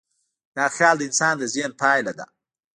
دا خیال د انسان د ذهن پایله ده.